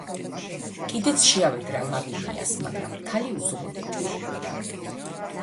კიდეც შეავედრა ლავინიას, მაგრამ ქალი უზომოდ ეჭვიანობდა.